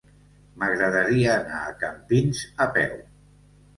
M'agradaria anar a Campins a peu.